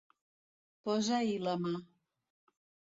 Posar-hi la mà.